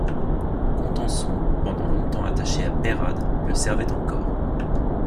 Contenson, pendant long-temps attaché à Peyrade, le servait encore.